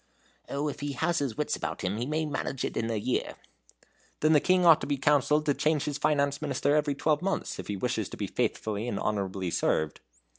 "Oh, if he has his wits about him, he may manage it in a year." "Then the King ought to be counselled to change his finance minister every twelve months, if he wishes to be faithfully and honorably served."